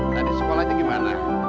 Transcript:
dari sekolahnya gimana